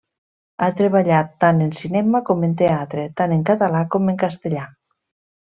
Ha treballat tant en cinema com en teatre, tant en català com en castellà.